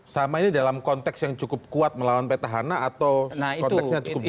sama ini dalam konteks yang cukup kuat melawan petahana atau konteksnya cukup besar